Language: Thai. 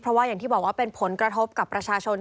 เพราะว่าอย่างที่บอกว่าเป็นผลกระทบกับประชาชน